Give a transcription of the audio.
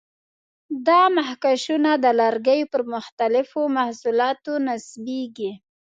دا مخکشونه د لرګیو پر مختلفو محصولاتو نصبېږي.